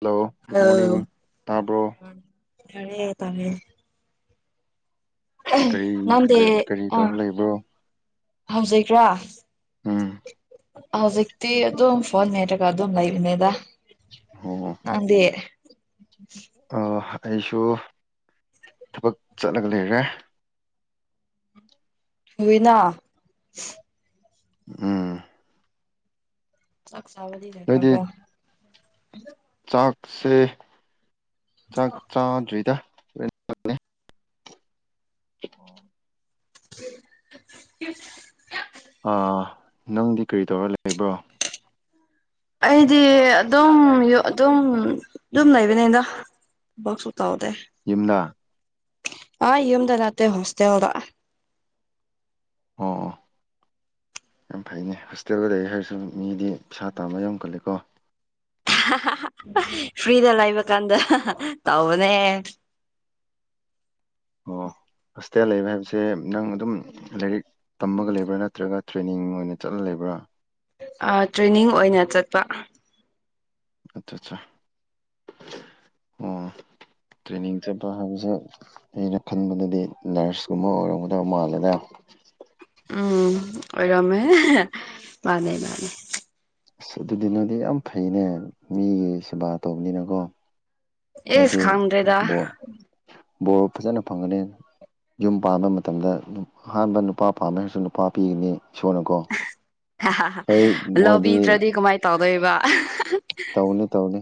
hello good hello morning ꯇꯥꯕ꯭ꯔꯣ ꯌꯥꯔꯦ ꯇꯥꯔꯦ ꯑꯍꯝ ꯀꯔꯤ ꯉꯝꯗꯦ ꯀꯔꯤ ꯀꯔꯤ ꯑꯥ ꯇꯧꯔ ꯂꯩꯕ꯭ꯔꯣ ꯍꯧꯖꯤꯛꯔ ꯎꯝ ꯍꯧꯖꯤꯛꯇꯤ ꯑꯗꯨꯝ ꯐꯣꯟ ꯃꯦꯠꯔꯒ ꯑꯗꯨꯝ ꯂꯩꯔꯤꯅꯦꯗ ꯑꯣ [unintelligible] ꯗꯦ ꯑꯣ ꯑꯩꯁꯨ ꯊꯕꯛ ꯆꯠꯂꯒ ꯂꯩꯔꯦ ꯇꯧꯌꯤꯅ ꯎꯝ ꯆꯥꯛ ꯆꯥꯕꯗꯤ ꯅꯣꯏꯗꯤ ꯂꯣꯏꯈꯔ꯭ꯥꯕ꯭ꯔꯣ ꯆꯥꯛꯁꯦ ꯆꯥꯛ ꯆꯥꯗ꯭ꯔꯤꯗ ꯂꯣꯏ [inaudible] ꯑꯥ ꯅꯪꯗꯤ ꯀꯔꯤ ꯇꯧꯔꯒ ꯂꯩꯕ꯭ꯔꯣ ꯑꯩꯗꯤ ꯑꯗꯨꯝ ꯑꯗꯨꯝ ꯑꯗꯨꯝ ꯂꯩꯕꯅꯤꯗ ꯊꯕꯛꯁꯨ ꯇꯧꯗꯦ ꯌꯨꯝꯅ ꯑ ꯌꯨꯝꯗ ꯅꯅꯥꯠꯇꯩ ꯍꯣꯁꯇꯦꯜꯗ ꯑꯣ ꯌꯥꯝ ꯐꯩꯅꯦ ꯍꯣꯁꯇꯦꯜꯒꯗꯒꯤ ꯑꯩ ꯍꯥꯏꯔꯁꯨ ꯃꯤꯗꯤ ꯄꯩꯁꯥ ꯇꯥꯥꯟꯕ ꯌꯥꯝ ꯀꯜꯂꯦꯀꯣ ꯐ꯭ꯔꯤꯗ ꯂꯩꯕ ꯀꯥꯟꯗ ꯇꯧꯕꯅꯦ ꯑꯣ ꯍꯁꯇꯦꯜ ꯂꯩꯕ ꯍꯥꯏꯕꯁꯦ ꯅꯪ ꯑꯗꯨꯝ ꯂꯥꯏꯔꯤꯛ ꯇꯝꯕꯒ ꯂꯩꯕ꯭ꯔꯥ ꯅꯠꯇ꯭ꯔꯒ ꯇ꯭ꯔꯦꯅꯤꯡ ꯑꯣꯏꯅ ꯆꯠꯂ ꯂꯩꯕ꯭ꯔꯥ ꯇ꯭ꯔꯦꯅꯤꯡ ꯑꯣꯏꯅ ꯆꯠꯄ ꯑꯆꯠ ꯆꯥ ꯑꯣ ꯇ꯭ꯔꯦꯅꯤꯡ ꯆꯠꯄ ꯍꯥꯏꯕꯁꯦ ꯑꯩꯅ ꯈꯟꯕꯗꯗꯤ ꯅꯔꯁꯀꯨꯝꯕ ꯑꯣꯏꯔꯝꯒꯗꯕ ꯃꯥꯜꯂꯦꯗ ꯎꯝ ꯑꯣꯏꯔꯝꯃꯦ ꯃꯥꯅꯦ ꯃꯥꯅꯦ ꯑꯁ ꯑꯗꯨꯗꯤꯅꯗꯤ ꯌꯥꯝ ꯐꯩꯅꯦ ꯃꯤꯒꯤ ꯁꯦꯕꯥ ꯇꯧꯕꯅꯤꯅꯀꯣ ꯏꯁ ꯅꯣꯏꯗꯤ ꯈꯪꯗ꯭ꯔꯦꯗ ꯕꯣꯔ ꯕꯣꯔ ꯐꯖꯅ ꯐꯪꯒꯅꯤ ꯌꯨꯝ ꯄꯥꯟꯕ ꯃꯇꯝꯗ ꯑꯍꯥꯟꯕ ꯅꯨꯄꯥ ꯄꯥꯝꯃꯦ ꯍꯥꯏꯔꯁꯨ ꯅꯨꯄꯥ ꯄꯤꯒꯅꯤ ꯏꯁꯣꯔꯅ ꯃꯣꯏꯗꯤ ꯂꯧꯕꯤꯗ꯭ꯔꯗꯤ ꯀꯃꯥꯏꯅ ꯇꯧꯗꯣꯏꯕ ꯇꯧꯅꯤ ꯇꯧꯅꯤ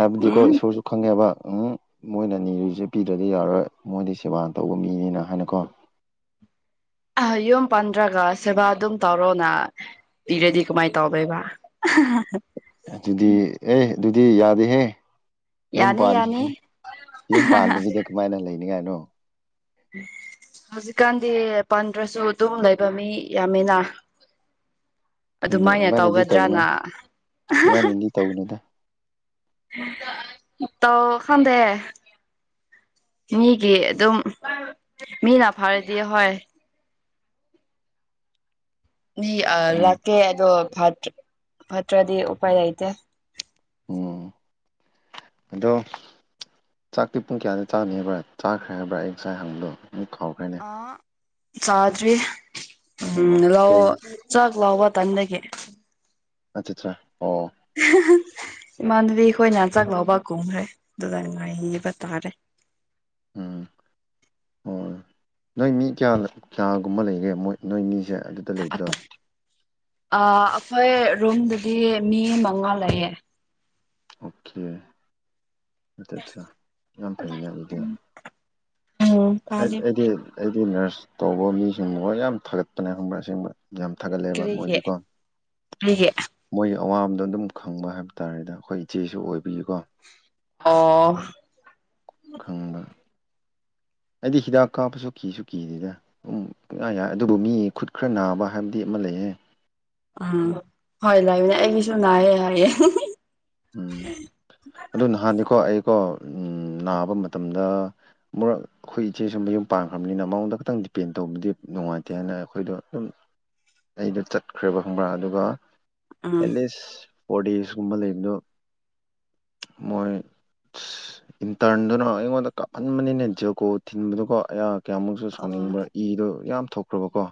ꯍꯥꯏꯕꯗꯤꯀꯣ ꯎꯝ ꯏꯁꯣꯔꯁꯨ ꯈꯪꯉꯦꯕ ꯎꯝ ꯃꯣꯏꯅ ꯅꯤꯔꯤꯁꯦ ꯄꯤꯗ꯭ꯔꯗꯤ ꯌꯥꯔꯔꯣꯏ ꯃꯣꯏꯗꯤ ꯁꯦꯕꯥ ꯇꯧꯕ ꯃꯤꯅꯤꯅ ꯍꯥꯏꯅꯀꯣ ꯑ ꯌꯨꯝ ꯄꯥꯟꯗ꯭ꯔꯒ ꯁꯦꯕꯥ ꯑꯗꯨꯝ ꯇꯧꯔꯣꯅ ꯄꯤꯔꯗꯤ ꯀꯃꯥꯏ ꯇꯧꯗꯣꯏꯕ ꯑꯗꯨꯗꯤ ꯑꯦ ꯑꯗꯨꯗꯤ ꯌꯥꯗꯦꯍꯦ ꯌꯨꯝ ꯌꯥꯅꯤ ꯌꯥꯅꯤ ꯄꯜꯈꯤꯒꯦ ꯌꯨꯝ ꯄꯥꯟꯗꯕꯤꯗꯤ ꯀꯃꯥꯏꯅ ꯂꯩꯅꯤꯉꯥꯏꯅꯣ ꯍꯧꯖꯤꯛꯀꯥꯟꯗꯤ ꯄꯥꯟꯗ꯭ꯔꯁꯨ ꯑꯗꯨꯝ ꯂꯩꯕ ꯃꯤ ꯌꯥꯝꯃꯦꯅ ꯈꯪꯗꯦ ꯑꯗꯨꯃꯥꯏꯅꯗꯤ ꯇꯧꯅꯨ ꯇꯧꯒꯗ꯭ꯔꯅ ꯑꯗꯨꯃꯥꯏꯅꯗꯤ ꯇꯧꯒꯅꯨꯗ ꯇꯧ ꯈꯥꯟꯗꯦ ꯃꯤꯒꯤ ꯑꯗꯨꯝ ꯃꯤꯅ ꯐꯔꯗꯤ ꯍꯣꯏ ꯃꯤ ꯑ ꯎꯝ ꯂꯥꯛꯀꯦ ꯑꯗꯣ ꯐꯠꯇ ꯐꯠꯇ꯭ꯔꯗꯤ ꯎꯄꯥꯏ ꯂꯩꯇꯦ ꯎꯝ ꯑꯗꯣ ꯆꯥꯛꯇꯤ ꯄꯨꯡ ꯀꯌꯥꯗ ꯆꯥꯅꯤꯕ꯭ꯔꯥ ꯆꯥꯈ꯭ꯔꯦ ꯍꯥꯏꯕ꯭ꯔꯥ ꯑꯩ ꯉꯁꯥꯏ ꯍꯪꯕꯗꯣ ꯃꯤ ꯈꯥꯎꯈ꯭ꯔꯦꯅꯤ ꯑꯥ ꯆꯥꯗ꯭ꯔꯤ ꯎꯝ ꯑꯣ ꯂꯧ ꯀꯩ ꯆꯥꯛ ꯂꯧꯕ ꯇꯟꯕꯒꯤ ꯑꯆꯠ ꯆꯥ ꯑꯣ ꯏꯃꯥꯟꯅꯕꯤ ꯈꯣꯏꯅ ꯆꯥꯛ ꯂꯧꯕ ꯀꯨꯝꯈ꯭ꯔꯦ ꯑꯗꯨꯒ ꯉꯥꯏꯔꯤꯕ ꯇꯥꯔꯦ ꯎꯝ ꯍꯣꯏ ꯅꯣꯏ ꯃꯤ ꯀꯌꯥ ꯀꯌꯥꯒꯨꯝꯕ ꯂꯩꯒꯦ ꯃꯣꯏ ꯅꯣꯏꯃꯤꯁꯦ ꯑꯗꯨꯗ ꯂꯩꯕꯗꯣ ꯑꯥ ꯑꯩꯈꯣꯏ ꯔꯨꯝꯗꯗꯤ ꯃꯤ ꯃꯉꯥ ꯂꯩꯌꯦ ꯑꯣꯀꯦ ꯑꯗꯨꯠꯇ ꯌꯥꯝ ꯐꯩꯅꯦ ꯑꯗꯨꯗꯤ ꯎꯝ ꯇꯥꯗꯦ ꯑꯩꯗꯤ ꯑꯩꯗꯤ ꯅꯔꯁ ꯇꯧꯕ ꯃꯤꯁꯤꯡꯒ ꯌꯥꯝ ꯊꯥꯒꯠꯄꯅꯦ ꯈꯪꯕ꯭ꯔꯥ ꯑꯁꯦꯡꯕ ꯌꯥꯝ ꯊꯥꯒꯠꯂꯦꯕ ꯀꯔꯤꯒꯤ ꯃꯣꯏꯗꯤꯀꯣ ꯀꯔꯤꯒꯤ ꯃꯣꯏꯒꯤ ꯑꯋꯥꯕꯗꯣ ꯑꯗꯨꯝ ꯈꯪꯕ ꯍꯥꯏꯕ ꯇꯥꯔꯦꯗ ꯑꯩꯈꯣꯏ ꯏꯆꯦꯁꯨ ꯑꯣꯏꯕꯤꯒꯤꯀꯣ ꯑꯣ ꯈꯪꯕ ꯑꯩꯗꯤ ꯍꯤꯗꯥꯛ ꯀꯥꯞꯄꯁꯨ ꯀꯤꯁꯨ ꯀꯤꯗꯦꯗ ꯎ ꯄꯪꯌꯥ ꯌꯥꯏ ꯑꯗꯨꯕꯨ ꯃꯤ ꯈꯨꯠ ꯈꯔ ꯅꯥꯕ ꯍꯥꯏꯕꯗꯤ ꯑꯃ ꯂꯩꯌꯦ ꯎꯝ ꯍꯣꯏ ꯂꯩꯕꯅꯦ ꯑꯩꯒꯤꯁꯨ ꯅꯥꯏꯌꯦ ꯍꯥꯏꯌꯦ ꯎꯝ [unintelligible] ꯑꯗꯨ ꯅꯍꯥꯟꯗꯤꯀꯣ ꯑꯩꯀꯣ ꯅꯥꯕ ꯃꯇꯝꯗ ꯃꯨꯔꯛ ꯑꯩꯈꯣꯏ ꯏꯆꯦ ꯁꯨ ꯃꯌꯨꯝ ꯄꯥꯟꯈ꯭ꯔꯕꯅꯤꯅ ꯃꯉꯣꯟꯗ ꯈꯇꯪ ꯗꯤꯄꯦꯟ ꯇꯧꯕꯗꯤ ꯅꯨꯡꯉꯥꯏꯇꯦ ꯍꯥꯏꯅ ꯑꯩꯈꯣꯏꯗꯣ ꯑꯗꯨꯝ ꯑꯩꯗꯣ ꯆꯠꯈ꯭ꯔꯦꯕ ꯈꯪꯕ꯭ꯔꯥ ꯑꯗꯨꯒ ꯎꯝ ꯑꯦꯠꯂꯤꯁ ꯐꯣꯔꯗꯤꯖꯀꯨꯝꯕ ꯂꯩꯕꯗꯣ ꯃꯣꯏ ꯑꯁ ꯏꯟꯇꯔꯟꯗꯨꯅ ꯑꯩꯉꯣꯟꯗ ꯀꯥꯞꯍꯟꯕꯅꯤꯅ ꯖꯤꯌꯑꯣꯀꯣ ꯊꯤꯟꯕꯗꯨꯀꯣ ꯑꯌꯥ ꯀꯌꯥꯃꯨꯛꯁꯨ ꯑꯣ ꯁꯥꯎꯅꯤꯡꯕ꯭ꯔꯥ ꯏꯗꯣ ꯌꯥꯝ ꯊꯣꯛꯈ꯭ꯔꯕꯀꯣ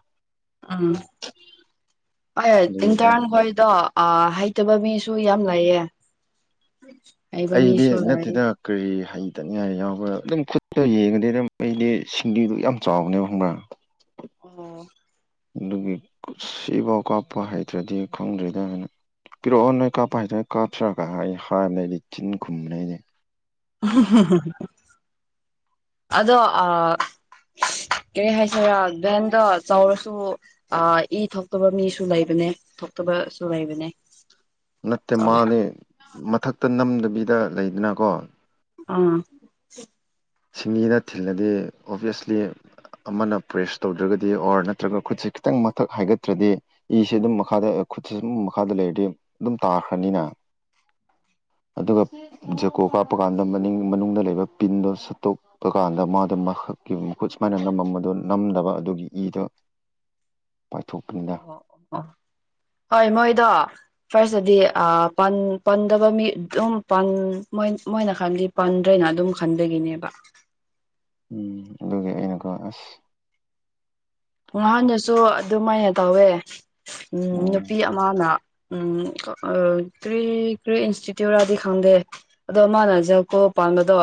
ꯑꯥ ꯑꯦ ꯑꯗꯨꯒꯤ ꯇꯤꯟꯀꯥꯡ ꯑꯩ ꯑꯗꯨ ꯍ‌ꯣꯏꯗꯣ ꯑ ꯍꯩꯇꯕ ꯃꯤꯁꯨ ꯌꯥꯝ ꯂꯩꯌꯦ ꯍꯩꯕ ꯑꯩꯗꯤ ꯃꯤꯁꯨ ꯂꯩ ꯅꯠꯇꯦꯗ ꯀꯔꯤ ꯍꯩꯇꯅꯤꯉꯥꯏ ꯌꯥꯎꯕ꯭ꯔꯥ ꯑꯗꯨꯝ ꯈꯨꯠꯇ ꯌꯦꯡꯉꯗꯤ ꯑꯗꯨꯝ ꯑꯩꯗꯤ ꯁꯤꯡꯂꯤꯗꯨ ꯌꯥꯝ ꯆꯥꯎꯕꯅꯦꯕ ꯈꯪꯕ꯭ꯔꯥ ꯑꯣ ꯑꯗꯨꯒꯤ ꯁꯤꯐꯥꯎ ꯀꯥꯞꯄ ꯍꯩꯇ꯭ꯔꯗꯤ ꯈꯪꯗ꯭ꯔ‌ꯦꯗ‌ꯑꯅ ꯄꯤꯔꯛꯑꯣ ꯅꯣꯏ ꯀꯥꯞꯄ ꯍꯩꯇꯔ꯭ꯗꯤ ꯀꯥꯞꯁꯤꯔꯒ ꯍꯥꯏꯌꯦ ꯍꯥꯏꯕꯅꯤ ꯑꯩꯗꯤ ꯆꯤꯟ ꯈꯨꯝꯕꯅꯦ ꯑꯩꯗꯤ ꯑꯗꯣ ꯑ ꯀꯔꯤ ꯍꯥꯏꯁꯤꯔꯥ ꯚꯦꯟꯗꯣ ꯆꯥꯎꯔꯁꯨ ꯑ ꯏ ꯊꯣꯛꯇꯕ ꯃꯤꯁꯨ ꯂꯩꯕꯅꯦ ꯊꯣꯛꯇꯕꯁꯨ ꯂꯩꯕꯅꯦ ꯅꯠꯇꯦ ꯎꯝ ꯃꯥꯅꯦ ꯃꯊꯛꯇ ꯅꯝꯗꯕꯤꯗ ꯂꯩꯗꯅꯀꯣ ꯑꯥ ꯁꯤꯡꯂꯤꯗ ꯊꯤꯜꯂꯗꯤ ꯑꯣꯕꯤꯌꯁꯂꯤ ꯑꯃꯅ ꯄ꯭ꯔꯦꯁ ꯇꯧꯗ꯭ꯔꯒꯗꯤ ꯑꯣꯔ ꯅꯠꯇ꯭ꯔꯒ ꯈꯨꯠꯁꯦ ꯈꯤꯇꯪ ꯃꯊꯛ ꯍꯥꯏꯒꯠꯇ꯭ꯔꯗꯤ ꯏꯁꯤ ꯑꯗꯨꯝ ꯃꯈꯥꯗ ꯈꯨꯠꯁꯦ ꯁꯨꯝ ꯃꯈꯥꯗ ꯂꯩꯔꯗꯤ ꯑꯗꯨꯝ ꯇꯥꯈ꯭ꯔꯅꯤꯅ ꯑꯗꯨꯒ ꯖꯦꯀꯣꯞ ꯀꯥꯞꯄ ꯀꯥꯟꯗ ꯃꯅꯤꯡ ꯃꯅꯨꯡꯗ ꯂꯩꯕ ꯄꯤꯟꯗꯣ ꯁꯠ ꯇꯣꯛꯄ ꯀꯥꯟꯗ ꯃꯥꯗ ꯃꯈꯛꯀꯤ ꯈꯨꯠ ꯁꯨꯃꯥꯏꯅ ꯅꯝꯃꯝꯕꯗꯣ ꯅꯝꯗꯕ ꯑꯗꯨꯒꯤ ꯏꯗ‌ꯣ ꯄꯥꯏꯊꯣꯛꯄꯅꯤꯗ ꯑꯣ ꯑꯣ ꯍꯣꯏ ꯃꯣꯏꯗꯣ ꯐꯥꯔꯁꯇꯗꯤ ꯑꯥ ꯄꯟ ꯄꯟꯗꯕ ꯃꯤ ꯑꯗꯨꯝ ꯄꯪ ꯃ‌ꯣꯏ ꯃꯣꯏꯅ ꯍꯥꯏꯕꯗꯤ ꯄꯟꯗ꯭ꯔꯦꯅ ꯑꯗꯨꯝ ꯈꯟꯕꯒꯤꯅꯦꯕ ꯎꯝ ꯑꯗꯨꯒꯤ ꯑꯩꯅꯀꯣ ꯑꯁ ꯉꯍꯥꯟꯗꯁꯨ ꯑꯗꯨꯃꯥꯏꯅ ꯇꯧꯋꯦ ꯎ ꯎꯝ ꯅꯨꯄꯤ ꯑꯃꯅ ꯎꯝ ꯀꯔꯤ ꯀꯔꯤ ꯏꯟꯁꯇꯤꯇ꯭ꯌꯨꯠ ꯔꯗꯤ ꯈꯪꯗꯦ ꯑꯗꯣ ꯃꯥꯅ ꯖ‌ꯦꯀꯣ ꯄꯥꯟꯕꯗꯣ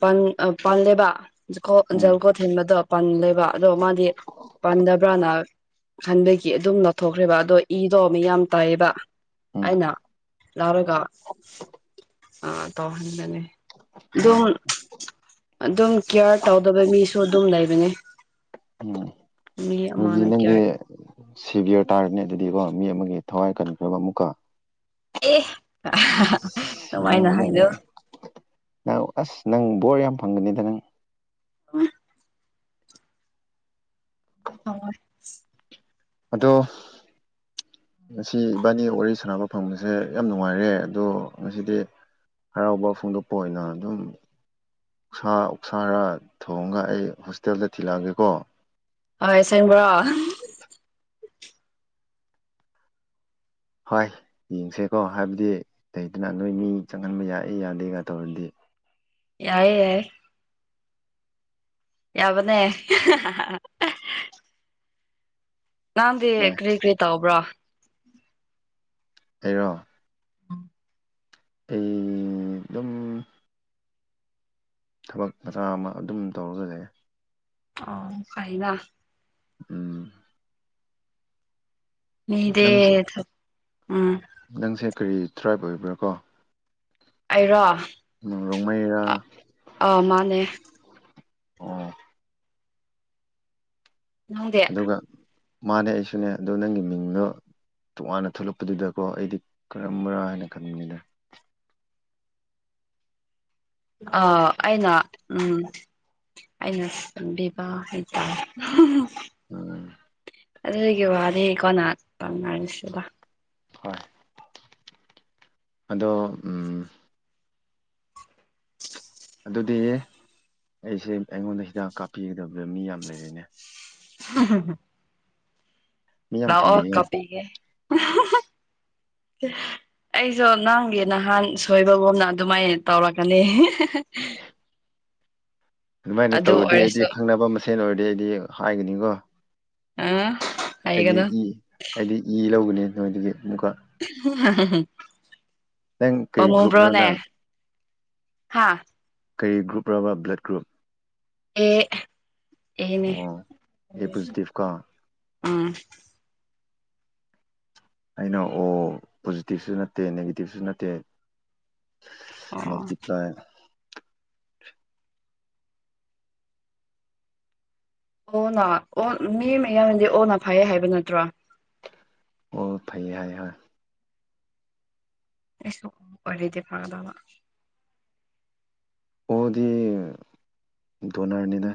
ꯄꯟ ꯑ ꯄꯜꯂꯦꯕ ꯖꯀ‌ꯣꯞ ꯎꯝ ꯖꯜꯒ‌ꯣꯠ ꯊꯤꯟꯕꯗꯣ ꯄꯜꯂꯦꯕ ꯑꯗꯣ ꯃꯥꯗꯤ ꯄꯥꯟꯗꯕ꯭ꯔꯅ ꯈꯟꯕꯒꯤ ꯑꯗꯨꯝ ꯂꯧꯊꯣꯛꯈ꯭ꯔꯦꯕ ꯑꯗꯣ ꯏꯗꯣ ꯃꯌꯥꯝ ꯇꯥꯏꯌꯦꯕ ꯎꯝ ꯑꯩꯅ ꯂꯥꯎꯔꯒ ꯑꯥ ꯇꯧꯍꯟꯕꯅ‌ꯦ ꯑꯣ ꯑꯗꯨꯝ ꯑꯗꯨꯝ ꯀꯤꯌꯥꯔ ꯇꯧꯗꯕ ꯃꯤꯁꯨ ꯑꯗꯨꯝ ꯂꯩꯕꯅꯦ ꯎꯝ ꯃꯤ ꯍꯧꯖꯤꯛ ꯑꯃꯅ ꯅꯪꯗꯤ ꯀꯤꯌꯔ ꯁꯤꯕꯤꯌꯔ ꯇꯥꯔꯅꯤ ꯑꯗꯨꯗꯤꯀꯣ ꯃꯤ ꯑꯃꯒꯤ ꯊꯋꯥꯏ ꯀꯟꯈ꯭ꯔ‌ꯦꯕ ꯑꯃꯨꯛꯀ ꯑꯦ ꯅꯪ ꯀꯃꯥꯏꯅ ꯑꯃꯨꯛ ꯍꯥꯏꯔ‌ꯣ ꯅꯪ ꯑꯁ ꯅꯪ ꯕꯣꯔ ꯌꯥꯝ ꯐꯪꯒꯅꯤꯗ ꯅꯪ [unintelligible] [unintelligible] ꯑꯗ‌ꯣ ꯉꯁꯤ ꯏꯕꯥꯅꯤ ꯋꯥꯔꯤ ꯁꯥꯟꯅꯕ ꯐꯪꯕꯁꯦ ꯌꯥꯝ ꯅꯨꯡꯉꯥꯏꯔꯦ ꯑꯗꯣ ꯉꯁꯤꯗꯤ ꯍꯔꯥꯎꯕ ꯐꯣꯡꯗꯣꯛꯄ ꯑꯣꯏꯅ ꯑꯗꯨꯝ ꯎꯁꯥ ꯑꯣꯛꯁꯥꯔ ꯊꯣꯡꯉꯒ ꯑꯩ ꯍꯣꯁꯇꯦꯜꯗ ꯊꯤꯜꯂꯛꯑꯒꯦꯀꯣ ꯑ ꯑꯁꯦꯡꯕ꯭ꯔꯣ ꯍꯣꯏ ꯌꯦꯡꯁꯦꯀꯣ ꯍꯥꯏꯕꯗꯤ ꯂꯩꯗꯅ ꯅꯣꯏ ꯃꯤ ꯆꯪꯍꯟꯕ ꯌꯥꯏ ꯌꯥꯗꯦꯒ ꯇꯧꯔꯗꯤ ꯌꯥꯏ ꯌꯥꯏ ꯌꯥꯕꯅꯦ ꯅꯪꯗꯤ ꯍꯣꯏ ꯀꯔꯤ ꯀꯔꯤ ꯇꯧꯕ꯭ꯔꯣ ꯑꯩꯔꯣ ꯑꯩ ꯑꯗꯨꯝ ꯊꯕꯛ ꯃꯆꯥ ꯑꯃ ꯑꯗꯨꯝ ꯇꯧꯔ ꯂꯩꯌꯦ ꯑꯣ ꯐꯩꯅ ꯎꯝ ꯃꯤꯗꯤ ꯅꯪꯁꯦ ꯎꯝ ꯅꯪꯁꯦ ꯀꯔꯤ ꯇ꯭ꯔꯥꯏꯞ ꯑꯣꯏꯕ꯭ꯔꯥ ꯀꯣ ꯑꯩꯔꯣ ꯔꯣꯡꯃꯩꯔꯥ ꯑ ꯃꯥꯅꯦ ꯑꯣ ꯅꯪꯗꯤ ꯑꯗꯨꯒ ꯃꯥꯅꯦ ꯑꯩꯁꯨꯅꯦ ꯑꯗꯨ ꯅꯪꯒꯤ ꯃꯤꯡꯗꯣ ꯇꯣꯉꯥꯟꯅ ꯊꯣꯛꯂꯛꯄꯗꯨꯗꯀꯣ ꯑꯩꯗꯤ ꯀꯔꯝꯕꯔꯥ ꯍꯥꯏꯅ ꯈꯟꯕꯅꯤꯗ ꯑ ꯑꯩꯅ ꯎꯝ ꯑꯩꯅꯕꯤꯕꯥ ꯍꯥꯏꯇꯥ ꯎꯝ ꯑꯗꯨꯒꯤ ꯋꯥꯅꯤ ꯀꯣꯅ ꯄꯥꯅꯔꯁꯤꯕ ꯍꯣꯏ ꯑꯗꯣ ꯎꯝ ꯑꯗꯨꯗꯤ ꯑꯩꯁꯦ ꯑꯩꯉꯣꯟꯗ ꯍꯤꯗꯥꯛ ꯀꯥꯞꯄꯤꯒꯗꯕꯗ ꯃꯤ ꯌꯥꯝ ꯂꯩꯔꯦꯅꯦ [inaudible] ꯃꯤ ꯌꯥꯝ ꯂꯑꯣ ꯊꯦꯡꯅꯩꯌꯦ ꯀꯥꯞꯄꯤꯒꯦ [inaudible] ꯍ [inaudible] ꯑꯩꯁꯨ ꯅꯪꯒꯤ ꯅꯍꯥꯟ ꯁꯣꯏꯕꯒꯨꯝꯅ ꯑꯗꯨꯃꯥꯏꯅ ꯇꯧꯔꯛꯀꯅꯤ ꯑꯗꯨꯃꯥꯏꯅ ꯑꯗꯨ ꯇꯧꯔꯗꯤ ꯑꯩꯗꯤ ꯑꯣꯏꯔꯁꯨ ꯈꯪꯅꯕ ꯃꯁꯦꯟ ꯑꯣꯏꯔꯗꯤ ꯑꯩꯗꯤ ꯍꯥꯏꯒꯅꯤꯀꯣ ꯎꯝ ꯑꯩꯗꯤ ꯑꯩꯗꯤ ꯏ ꯂꯧꯒꯅꯤ ꯅꯣꯏꯗꯒꯤ ꯑꯃꯨꯛꯀ ꯅꯪ ꯀꯔꯤ ꯒ꯭ꯔꯨꯞꯅꯣ ꯄꯃꯨꯕ꯭ꯔꯣꯅꯦ ꯅꯪ ꯍꯥ ꯀꯔꯤ ꯒ꯭ꯔꯨꯞꯔ ꯂꯕ ꯕ꯭ꯥꯂꯠ ꯒ꯭ꯔꯨꯞ ꯑꯦ ꯑꯦꯅꯦ ꯑꯣ ꯑꯦ ꯄꯣꯖꯤꯇꯤꯞ ꯀꯣ ꯑꯥ ꯑꯩꯅ ꯑꯣ ꯄꯣꯖꯤꯇꯤꯞꯁꯨ ꯅꯠꯇꯦ ꯅꯦꯒꯦꯇꯤꯞꯁꯨ ꯅꯠꯇꯦ ꯑꯣ ꯃꯜꯇꯤꯄ꯭ꯂꯥꯏ ꯑꯣꯅ ꯑꯣ ꯃꯤ ꯃꯌꯥꯝꯗꯤ ꯑꯣꯅ ꯐꯩꯑꯦ ꯍꯥꯏꯕ ꯅꯠꯇ꯭ꯔꯣ ꯑꯣ ꯐꯩꯌꯦ ꯍꯥꯏ ꯍꯣꯏ ꯑꯩꯁꯨ ꯑꯣꯏꯗꯤ ꯐꯥꯒꯗꯕ ꯑꯣꯗꯤ ꯗꯣꯅꯔꯅꯤꯅ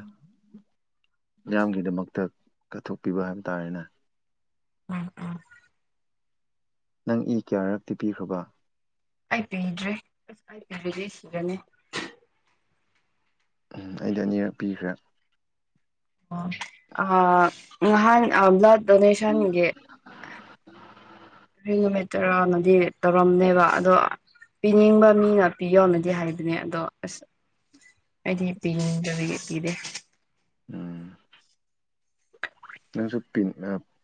ꯃꯤꯌꯥꯝꯒꯤꯗꯃꯛꯇ ꯀꯠꯊꯣꯛꯄꯤꯕ ꯍꯥꯏꯕ ꯇꯥꯔꯦꯅꯦ ꯎꯝ ꯎꯝ ꯅꯪ ꯏ ꯀꯌꯥꯔꯛꯇꯤ ꯄꯤꯈ꯭ꯔꯕ ꯑꯩ ꯄꯤꯗ꯭ꯔꯤ ꯑꯁ ꯑꯩ ꯄꯤꯔꯗꯤ ꯁꯤꯔꯅꯤ ꯎꯝ ꯑꯩꯗ ꯑꯅꯤꯔꯛ ꯄꯤꯈ꯭ꯔꯦ ꯑ ꯉꯍꯥꯟ ꯕ꯭ꯂꯥꯠ ꯗꯣꯅꯦꯁꯟꯒꯤ [unintelligible] ꯇꯔꯥꯅꯗꯤ ꯇꯧꯔꯝꯅꯦꯕ ꯑꯗꯣ ꯄꯤꯅꯤꯡꯕ ꯃꯤꯅ ꯄꯤꯌꯣ ꯅꯗꯤ ꯍꯥꯏꯕꯅꯦ ꯑꯗꯣ ꯑꯁ ꯑꯩꯗꯤ ꯄꯤꯅꯤꯡꯗꯕꯤꯒꯤ ꯄꯤꯗꯦ [inaudible] ꯎꯝ ꯅꯪꯁꯨ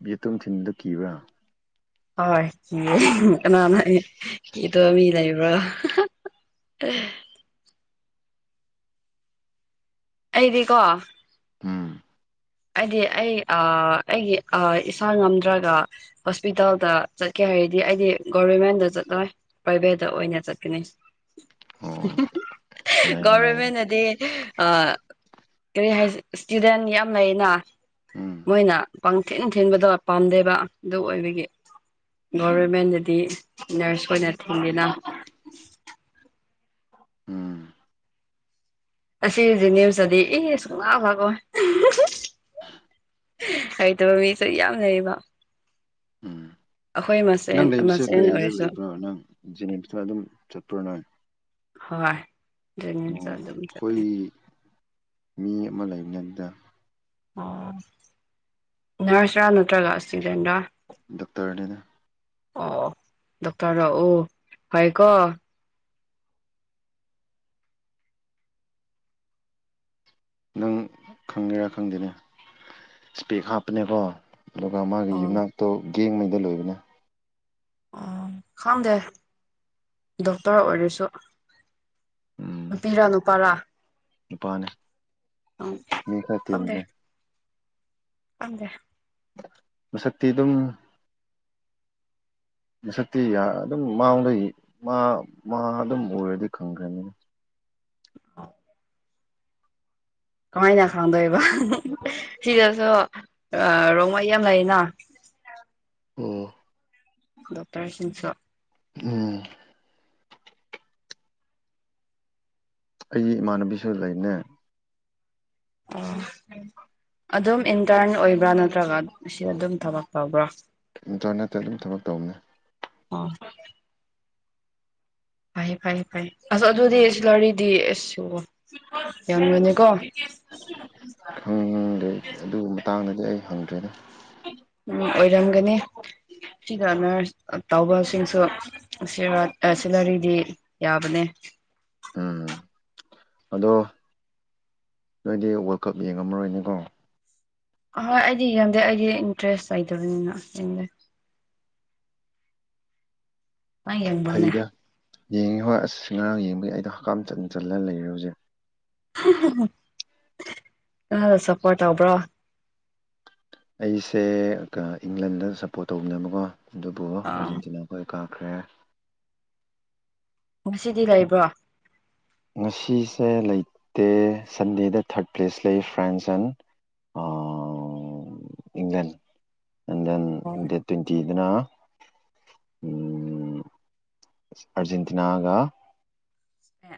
ꯌꯦꯇꯨꯝ ꯊꯤꯟꯕꯗꯨ ꯀꯤꯕ꯭ꯔꯥ ꯍꯀꯏ ꯀꯤꯌꯦ ꯀꯅꯥꯅ ꯀꯤꯗꯕ ꯃꯤ ꯂꯩꯕ꯭ꯔꯣ ꯑ [unintelligible] ꯑꯩꯗꯤꯀꯣ ꯎꯝ ꯍꯥꯏꯗꯤ ꯑꯩ ꯑꯩꯒꯤ ꯏꯁꯥ ꯉꯝꯗ꯭ꯔꯒ ꯍꯣꯁꯄꯤꯇꯥꯜꯗ ꯆꯠꯀꯦ ꯍꯥꯏꯔꯗꯤ ꯑꯩꯗꯤ ꯒꯣꯕꯔꯃꯦꯟꯗ ꯆꯠꯂꯣꯏ ꯄ꯭ꯔꯥꯏꯚꯦꯠꯇ ꯑꯣꯏꯅ ꯆꯠꯀꯅꯤ ꯑꯣ ꯌꯥꯏꯅꯦ ꯌꯥꯏꯅꯦ ꯒꯣꯚꯔꯃꯦꯟꯅꯗꯤ ꯀꯔꯤ ꯍꯥꯏ ꯏꯁꯇꯨꯗꯦꯟ ꯌꯥꯝ ꯂꯩꯅ ꯎꯝ ꯃꯣꯏꯅ ꯄꯪꯊꯤꯟ ꯊꯤꯟꯕꯗ ꯄꯥꯝꯗꯦꯕ ꯑꯗꯨ ꯑꯣꯏꯕꯒꯤ ꯒꯣꯚꯔꯃꯦꯟꯗꯗꯤ ꯅꯔꯁ ꯑꯣꯏꯅ ꯊꯤꯡꯗꯅ ꯎꯝ ꯑꯁꯤꯒꯤ ꯖꯦꯅꯤꯝꯁꯇꯗꯤ ꯏ ꯁꯨꯡꯂꯥꯛ ꯂꯥꯛꯂꯣꯏ ꯍꯩꯇꯕ ꯃꯤꯁꯨ ꯌꯥꯝ ꯂꯩꯩꯕ ꯎꯝ ꯃꯁꯦꯟ ꯅꯪ ꯂꯩꯕꯁꯦ ꯃꯁꯦꯟ ꯀꯔꯤꯗ ꯑꯣꯏꯔꯁꯨ ꯂꯩꯕ꯭ꯔꯥ ꯅꯪ ꯖꯦꯅꯤꯝꯁꯇ ꯑꯗꯨꯝ ꯆꯠꯄ꯭ꯔꯣ ꯅꯪ ꯍꯣꯏ ꯑꯣ ꯖꯦꯅꯤꯝꯁꯗ ꯑꯗꯨꯝ ꯆꯠꯂꯦ ꯑꯩꯈꯣꯏ ꯃꯤ ꯑꯃ ꯂꯩꯕꯅꯦ ꯗꯨꯗ ꯑꯣ ꯅꯔꯁꯔꯥ ꯅꯠꯇ꯭ꯔꯒ ꯏꯁꯇꯨꯗꯦꯟꯔꯥ ꯗꯣꯛꯇꯔꯅꯤꯗ ꯑꯣ ꯗꯣꯛꯇꯔꯔꯥ ꯑꯣ ꯐꯏꯀꯣ ꯅꯪ ꯈꯪꯒꯦꯔꯥ ꯈꯪꯗꯦꯅꯦ ꯏꯁꯄꯦꯛ ꯍꯥꯞꯄꯅꯦꯀꯣ ꯑꯗꯨꯒ ꯃꯥꯒꯤ ꯑꯣ ꯌꯨꯝꯅꯥꯛꯇꯣ ꯒꯦꯡꯉꯩꯗ ꯂꯣꯏꯕꯅꯦ ꯑꯣ ꯈꯪꯗꯦ ꯗꯣꯛꯇꯔ ꯑꯣꯏꯔꯁꯨ ꯎꯝ ꯅꯨꯄꯤꯔꯥ ꯅꯨꯄꯥꯔꯥ ꯅꯨꯄꯥꯅꯦ ꯃꯤ ꯈꯔ ꯇꯦꯟꯕꯅꯦ ꯈꯪꯇꯦ ꯃꯁꯛꯇꯤ ꯑꯗꯨꯝ ꯃꯁꯛꯇꯤ ꯑꯗꯨꯝ ꯃꯉꯣꯟꯗ ꯃꯥ ꯃꯥ ꯑꯗꯨꯝ ꯎꯔꯗꯤ ꯈꯪꯈ꯭ꯔꯅꯤꯅ ꯍꯥꯎ [unintelligible] ꯀꯃꯥꯏꯅ ꯈꯪꯗꯣꯏꯕ ꯁꯤꯗꯁꯨ ꯔꯣꯡꯃꯩ ꯌꯥꯝ ꯂꯩꯔꯤꯅ ꯑꯣ ꯗꯣꯛꯇꯔꯁꯤꯡꯁꯨ ꯎꯝ ꯑꯩꯒꯤ ꯏꯃꯥꯟꯅꯕꯤꯁꯨ ꯂꯩꯅꯦ ꯑꯣ ꯑꯗꯨꯝ ꯏꯟꯇꯔꯟ ꯑꯣꯏꯕ꯭ꯔꯥ ꯅꯠꯇ꯭ꯔꯒ ꯁꯤ ꯑꯗꯨꯝ ꯊꯕꯛ ꯇꯧꯕ꯭ꯔꯥ ꯏꯟꯇꯔꯟ ꯅꯦꯠꯇ ꯑꯗꯨꯝ ꯊꯕꯛ ꯇꯧꯕꯅꯦ ꯑꯣ ꯐꯩ ꯐꯩꯌꯦ ꯐꯩ ꯑꯁ ꯑꯗꯨꯗꯤ ꯁꯤꯂꯔꯤꯗꯤ ꯑꯗꯨꯝ ꯌꯥꯝꯒꯅꯤꯀꯣ ꯈꯪꯗꯦ ꯑꯗꯨꯒꯤ ꯃꯇꯥꯡꯗꯗꯤ ꯑꯩ ꯍꯪꯗ꯭ꯔꯦꯗ ꯎꯝ ꯑꯣꯏꯔꯝꯒꯅꯤ ꯁꯤꯗ ꯅꯔꯁ ꯇꯧꯕꯁꯤꯡꯁꯨ ꯁꯤꯂꯔꯤꯗꯤ ꯌꯥꯕꯅꯦ ꯎꯝ ꯑꯗꯣ ꯅꯣꯏꯗꯤ ꯋꯥꯔꯜ ꯀꯞ ꯌꯦꯡꯉꯝꯃꯔꯣꯏꯅꯦꯀꯣ ꯑꯍꯣꯏ ꯑꯩꯗꯤ ꯌꯦꯡꯗꯦ ꯑꯩꯗꯤ ꯏꯟꯇꯔꯦꯁ ꯂꯩꯗꯕꯅꯤꯅ ꯌꯦꯡꯗ ꯅꯪ ꯌꯦꯡꯕ꯭ꯔꯣꯅꯦ ꯐꯩꯗ ꯌꯦꯡꯉꯤ ꯍꯣꯏ ꯑꯁ ꯉꯔꯥꯡ ꯌꯦꯡꯕꯒꯤ ꯑꯩꯗꯣ ꯍꯛꯀꯝ ꯆꯜ ꯆꯜꯂꯒ ꯂꯩꯔꯦ ꯍꯧꯖꯤꯛ ꯁꯄꯣꯔ ꯇꯧꯕ꯭ꯔꯣ ꯑꯩꯁꯦ ꯏꯪꯂꯟꯗ ꯁꯞꯄꯣꯔꯠ ꯇꯧꯕꯅꯦꯕꯀꯣ ꯑꯗꯨꯕꯨ ꯑ ꯑꯥꯔꯖꯦꯟꯇꯤꯅꯥ ꯑꯣꯏ ꯀꯥꯈ꯭ꯔꯦ ꯉꯁꯤꯗꯤ ꯂꯩꯕ꯭ꯔꯣ ꯉꯁꯤꯁꯦ ꯂꯩꯇꯦ ꯁꯟꯗꯦꯗ ꯊꯥꯔꯠ ꯄ꯭ꯂꯦꯁ ꯂꯩ ꯐ꯭ꯔꯦꯟꯁꯟ ꯏꯪꯂꯟ ꯢꯪꯂꯟ ꯑꯣ ꯗꯦꯠ ꯇ꯭ꯋꯦꯟꯇꯤ ꯑꯗꯨꯅ ꯑꯔꯖꯦꯟꯇꯤꯅꯥꯒ ꯑꯦ